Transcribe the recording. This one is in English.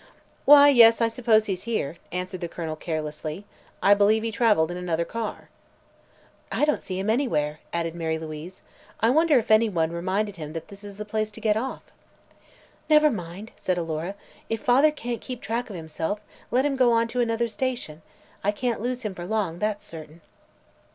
"Why, yes; I suppose he's here," answered the Colonel carelessly. "I believe he traveled another car." "I don't see him anywhere," added Mary Louise. "I wonder if anyone reminded him that this is the place to get off?" "Never mind," said Alora; "if father can't keep track of himself, let him go on to another station. I can't lose him for long, that's certain."